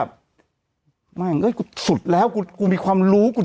ผู้ห้ามมีความรู้